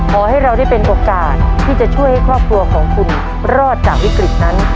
ขอให้เราได้เป็นโอกาสที่จะช่วยให้ครอบครัวของคุณรอดจากวิกฤตนั้น